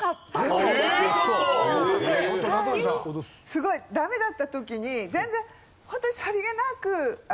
すごいダメだった時に全然ホントに。